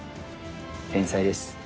天才です。